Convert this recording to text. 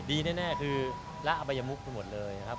ดีแน่คือหละอับยมุกคือหมดเลยครับ